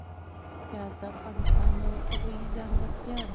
ګاز د افغانستان یوه طبیعي ځانګړتیا ده.